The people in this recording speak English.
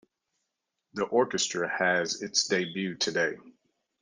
The orchestra has its debut today.